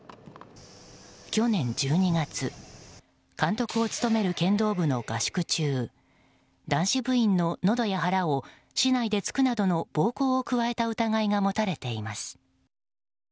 去年１２月監督を務める剣道部の合宿中男子部員ののどや腹を竹刀で突くなどの暴行を加えた疑いが持たれています。